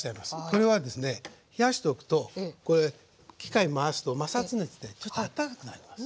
これはですね冷やしておくと機械を回すと摩擦熱でちょっとあったかくなります。